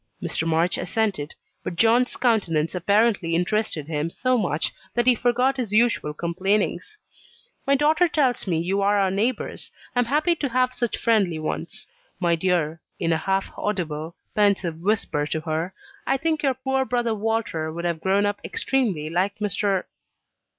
Mr. March assented: but John's countenance apparently interested him so much that he forgot his usual complainings. "My daughter tells me you are our neighbours I am happy to have such friendly ones. My dear," in a half audible, pensive whisper to her, "I think your poor brother Walter would have grown up extremely like Mr. Mr.